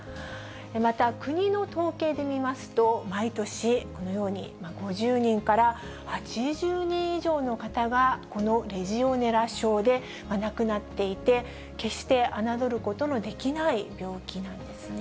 また国の統計で見ますと、毎年、このように５０人から８０人以上の方がこのレジオネラ症で亡くなっていて、決して侮ることのできない病気なんですね。